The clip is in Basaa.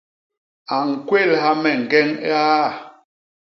A ñkwélha me ñgeñ iaa.